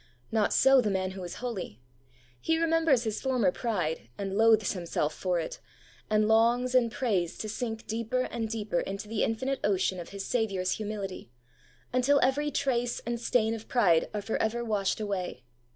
Not so the man who is holy. He remembers his former pride, and loathes himself for it, and longs and prays to sink deeper and deeper into the infinite ocean of his Saviour's humility, until every trace and stain of pride are for ever washed away.